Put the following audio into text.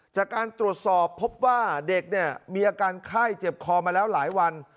จากการตรวจสอบพบว่าเด็กเนี่ยมีอาการไข้เจ็บคอมาแล้วหลายวัน